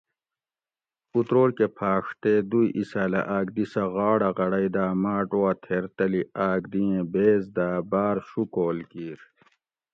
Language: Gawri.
اتروٹ کہ پھاڛ تے دوئ ایساۤلہ آک دی سہ غاڑہ غڑئ دا ماۤٹ وا تھیر تلی آک دی ایں بیز دا باۤر شوکول کیر